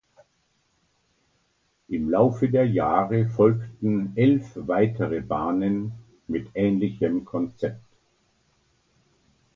Im Laufe der Jahre folgten elf weitere Bahnen mit ähnlichem Konzept.